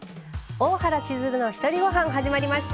「大原千鶴のひとりごはん」始まりました。